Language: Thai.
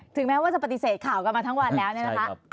แม้ว่าจะปฏิเสธข่าวกันมาทั้งวันแล้วเนี่ยนะคะ